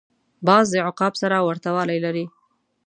باز د عقاب سره ورته والی لري